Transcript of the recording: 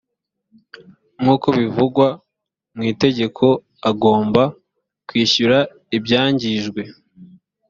nkuko bivugwa mwitegeko agomba kwishyura ibyangijwe